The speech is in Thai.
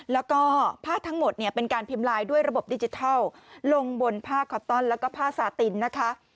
แล้วก็ภาพทั้งหมดเนี่ยเป็นการพิมพ์ลายด้วยระบบดิจิทัลลงบนผ้าคอปตอนแล้วก็ผ้าสาตินนะคะ